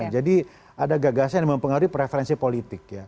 jadi ada gagasan yang mempengaruhi preferensi politik